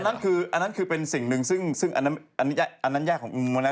อันนั้นคือเป็นสิ่งหนึ่งอันนั้นแยกของมันนะ